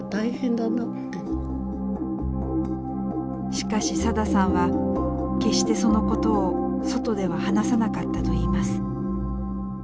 しかしさださんは決してそのことを外では話さなかったといいます。